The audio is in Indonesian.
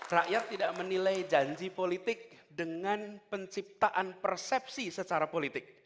rakyat tidak menilai janji politik dengan penciptaan persepsi secara politik